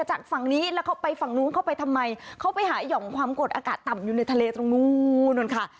จากฝั่งนี้แล้วเขาไปฝั่งนู้นเข้าไปทำไมเขาไปหาห่อมความกดอากาศต่ำอยู่ในทะเลตรงนู้นค่ะ